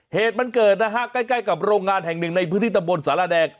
เหตุมันเกิดนะฮะใกล้กับโรงงานแห่งหนึ่งในพื้นที่ตำบลสารแดง